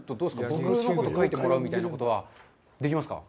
僕のことを描いてもらうみたいなことはできますか？